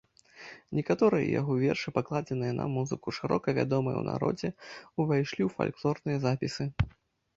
Некаторыя яго вершы, пакладзеныя на музыку, шырока вядомыя ў народзе, увайшлі ў фальклорныя запісы.